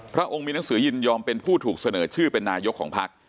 พระองค์มีหนังสือยินยอมเป็นผู้ถูกเสนอชื่อเป็นนายกของพัก